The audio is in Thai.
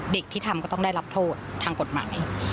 เด็กที่ทำก็ต้องได้รับโทษทางกฎหมาย